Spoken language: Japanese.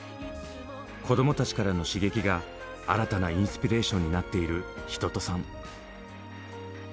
子どもたちからの刺激が新たなインスピレーションになっている一青さん。